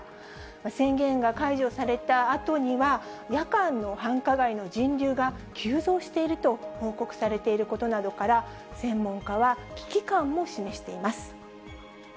宣言が解除されたあとには、夜間の繁華街の人流が急増していると報告されていることなどから、専門家は危機感も示しています。